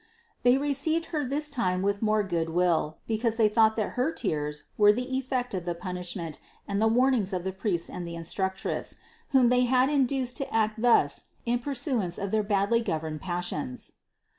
They received Her this time with more good will, because they thought that her tears were the effect of the 542 CITY OF GOD punishment and the warning of the priests and the in structress, whom they had induced to act thus in pur suance of their badly governed passions.